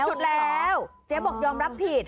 สุดแล้วเจ๊บอกยอมรับผิด